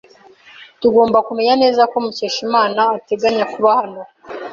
Tugomba kumenya neza ko Mukeshimana ateganya kuba hano.